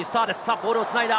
ボールを繋いだ！